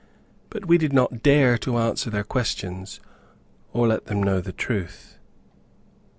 But we did not dare to answer their questions, or let them know the truth.